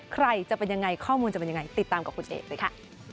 ใครจะเป็นยังไงข้อมูลจะเป็นยังไงติดตามกับคุณเอกเลยค่ะ